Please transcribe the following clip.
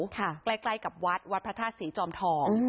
ใกล้กับวัดวัดพระธาตุศรีจอมทอง